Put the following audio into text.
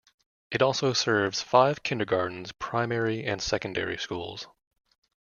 It also serves five kindergartens, primary and secondary schools.